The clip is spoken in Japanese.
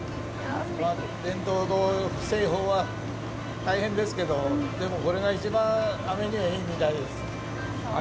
伝統の製法は大変ですけど、これが一番あめにはいいみたいなんです。